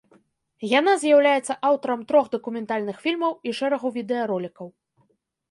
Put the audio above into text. Яна з'яўляецца аўтарам трох дакументальных фільмаў і шэрагу відэаролікаў.